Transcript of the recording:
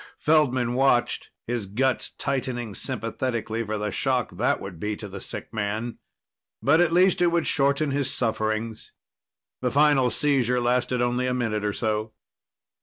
Feldman watched, his guts tightening sympathetically for the shock that would be to the sick man. But at least it would shorten his sufferings. The final seizure lasted only a minute or so.